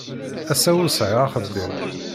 Ass-a ur sɛiɣ axeddim.